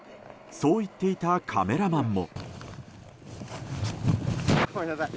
そう言っていたカメラマンも。